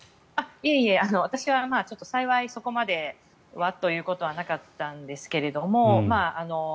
いえいえ、私は幸いワッということはなかったんですけれども。